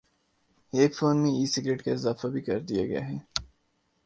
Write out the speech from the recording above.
ایک فون میں "e cigarette" کا اضافہ بھی کر دیا گیا ہے